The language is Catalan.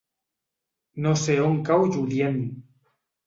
No sé on cau Lludient.